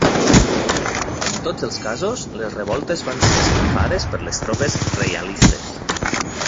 En tots els casos les revoltes van ser esclafades per les tropes reialistes.